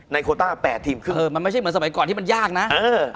โคต้า๘ทีมคือเออมันไม่ใช่เหมือนสมัยก่อนที่มันยากนะเออ